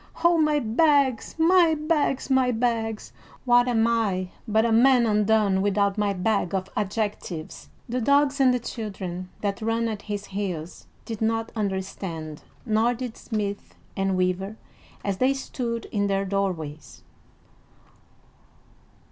"Oh, my bags, my bags, my bags! What am I but a man undone without my bag of adjectives!" The dogs and the children that ran at his heels did not understand, nor did smith and weaver as they stood in their doorways.